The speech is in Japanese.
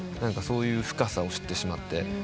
そういう深さを知ってしまって。